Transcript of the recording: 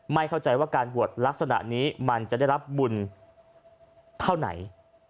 ไม่เข้าใจว่าการบวชลักษณะนี้มันจะได้รับบุญเท่าไหน